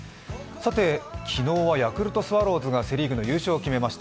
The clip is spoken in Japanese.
昨日はヤクルトスワローズがセ・リーグの優勝を決めました。